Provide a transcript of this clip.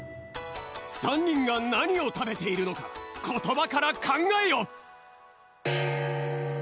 ３にんがなにをたべているのかことばからかんがえよ！